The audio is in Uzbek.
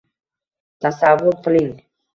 Tasavvur qiling.